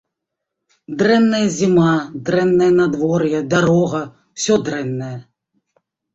Дрэнная зіма, дрэннае надвор'е, дарога, усё дрэннае!